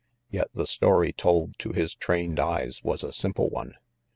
Yet the story told to his trained eyes was a simple one.